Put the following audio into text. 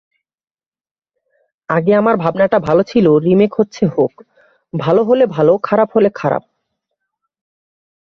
আগে আমার ভাবনাটা ছিলো রিমেক হচ্ছে হোক, ভালো হলে ভালো, খারাপ হলে খারাপ।